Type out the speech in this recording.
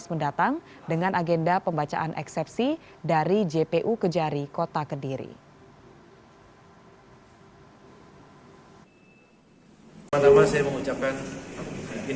penerapan ferry irawan kembali digelar pada kamis mendatang